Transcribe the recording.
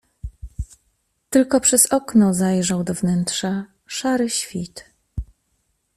Tylko przez okno zajrzał do wnętrza szary świt.